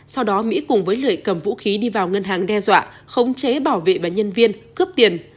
sau đó mỹ cùng với lợi cầm vũ khí đi vào ngân hàng đe dọa khống chế bảo vệ và nhân viên cướp tiền